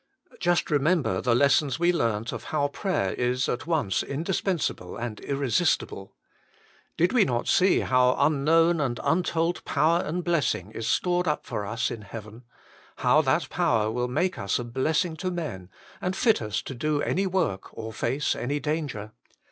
Just remember the lessons we learnt of how prayer is at once indispensable and irresistible. Did we not see how unknown and untold power and blessing is stored up for us in heaven ? how that power will make us a blessing to men, and fit us to do any work or face any danger